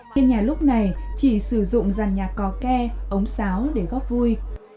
trên nhà lúc này chỉ sử dụng dàn nhà cò ke ống xáo để góp vui